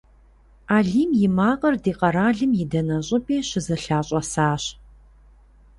Алим и макъыр ди къэралым и дэнэ щӀыпӀи щызэлъащӀэсащ.